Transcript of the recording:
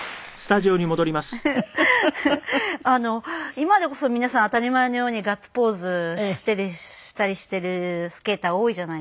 今でこそ皆さん当たり前のようにガッツポーズしたりしているスケーター多いじゃないですか。